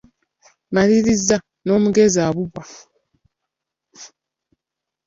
Maliriza. N’omugezi awubwa, ….